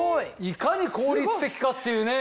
いかに効率的かっていうね！